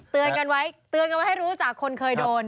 เตือนกันไว้ให้รู้จักคนเคยโดน